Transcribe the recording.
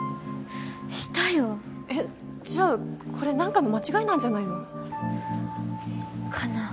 したよえっじゃあこれ何かの間違いなんじゃないの？かな？